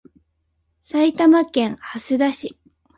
埼玉県蓮田市